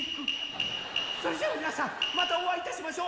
それじゃあみなさんまたおあいいたしましょう！